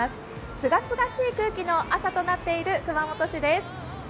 すがすがしい空気の朝となっている熊本市です。